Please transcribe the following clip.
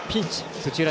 土浦